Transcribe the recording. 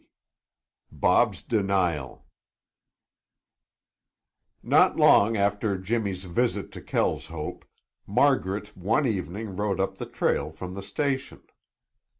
XX BOB'S DENIAL Not long after Jimmy's visit to Kelshope, Margaret one evening rode up the trail from the station.